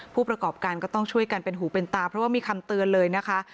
ผู้ประกอบการก็ต้องช่วยกันเป็นหูเป็นตาเพราะว่ามีคำเตือนเลยนะคะ